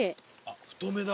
太めだ。